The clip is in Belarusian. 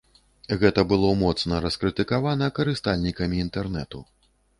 Гэта было моцна раскрытыкавана карыстальнікамі інтэрнэту.